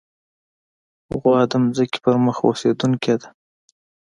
غوا د ځمکې پر مخ اوسېدونکې ده.